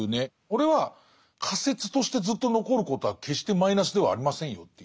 これは仮説としてずっと残ることは決してマイナスではありませんよという。